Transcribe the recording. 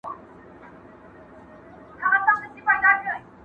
چي زه نه یم په جهان کي به تور تم وي!.